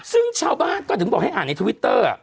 ซึ่งชาวบ้านก็ถึงบอกให้อ่านในทวิตเตอร์